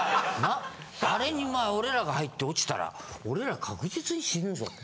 「あれに俺らが入って落ちたら俺ら確実に死ぬぞ」と。